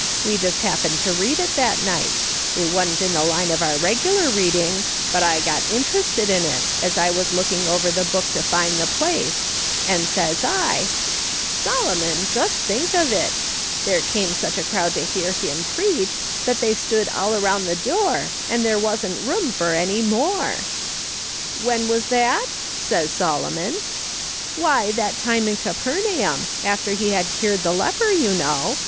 We just happened to read it that night ; it wa'n't in the line of our regular reading, but I got interested in it as I was looking over the book to find the place, and says I :"/ THINK THERE WAS AN UNBELIEVER." 129 "* Solomon, just think of it ; tliere came such a crowd to liear him preach that they stood all around the door, and there wasn't room for any more/ "' When was that ?' says Solomon. "' Why, that time in Capernaum, after he had cured the leper, you know.